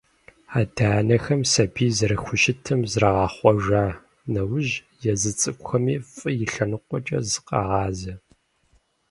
Адэ-анэхэм сабийм зэрыхущытым зрагъэхъуэжа нэужь, езы цӀыкӀухэми фӀы и лъэныкъуэкӀэ зыкъагъазэ.